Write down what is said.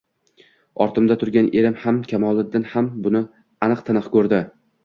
Ortimda turgan erim ham, Kamoliddin ham buni aniq-tiniq ko`rdi